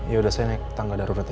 yaudah saya naik tangga darurat aja